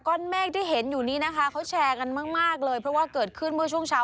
เมฆที่เห็นอยู่นี้นะคะเขาแชร์กันมากมากเลยเพราะว่าเกิดขึ้นเมื่อช่วงเช้า